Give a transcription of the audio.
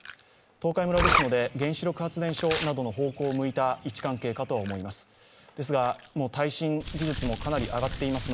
東海村ですので原子力発電所などを向いた位置関係かと思います。